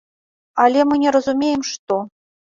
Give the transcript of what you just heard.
Але мы не разумеем, што.